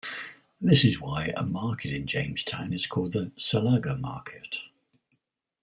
This is why a market in Jamestown is called the "Salaga Market".